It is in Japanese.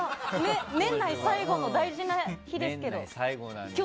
年内最後の大事な日ですけど。